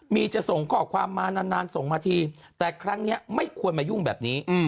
มีจะส่งข้อความมานานส่งมาทีแต่ครั้งนี้ไม่ควรมายุ่งแบบนี้